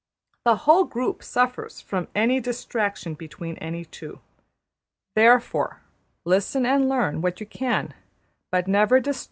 The whole group suffers from any distraction between any two. Therefore listen and learn what you can; but never disturb or distract.